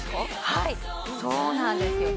はいそうなんですよ